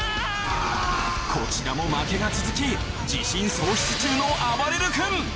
こちらも負けが続き自信喪失中のあばれる君。